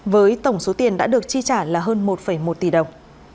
với tổng số tiền đã được chi trả là hơn một một tỷ đồng